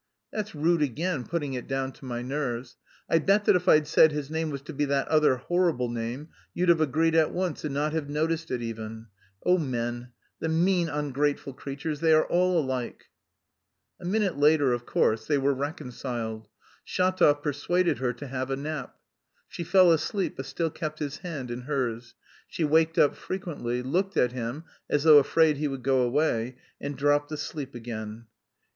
"That's rude again, putting it down to my nerves. I bet that if I'd said his name was to be that other... horrible name, you'd have agreed at once and not have noticed it even! Oh, men, the mean ungrateful creatures, they are all alike!" A minute later, of course, they were reconciled. Shatov persuaded her to have a nap. She fell asleep but still kept his hand in hers; she waked up frequently, looked at him, as though afraid he would go away, and dropped asleep again.